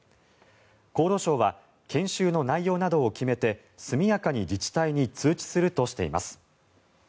厚労省は研修の内容などを決めて速やかに自治体に通知するとしています。